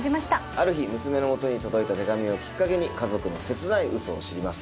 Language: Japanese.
ある日娘の元に届いた手紙をきっかけに家族の切ないウソを知ります。